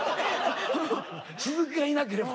鈴木がいなければ。